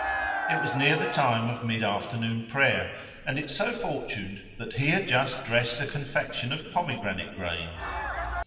It was near the time of mid afternoon prayer [FN#465] and it so fortuned that he had just dressed a confection of pomegranate grains.